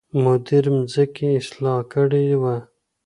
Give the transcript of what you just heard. مدیر مخکې اصلاح کړې وه.